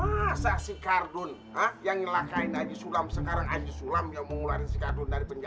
masa si kardun yang ngelakain haji sulam sekarang haji sulam yang mengularin si kardun dari penjara